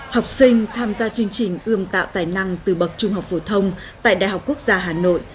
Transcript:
học sinh tham gia chương trình ươm tạo tài năng từ bậc trung học phổ thông tại đại học quốc gia hà nội